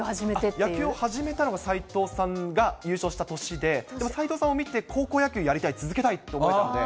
野球を始めたのは斎藤さんが優勝した年で、でも斎藤さんを見て、高校野球、やりたい、続けたいと思えたんで。